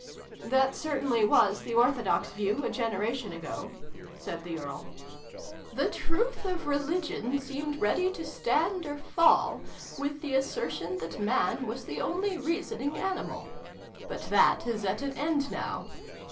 " That certainly was the orthodox view, a generation ago," said the Earl. " The truth of Religion seemed ready to stand or fall with 296 SYLVIE AND BRUNO CONCLUDED. the assertion that Man was the only reasoning animal. But that is at an end now.